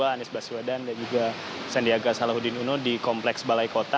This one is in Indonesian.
anies baswedan dan juga sandiaga salahuddin uno di kompleks balai kota